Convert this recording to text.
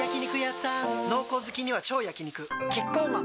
濃厚好きには超焼肉キッコーマン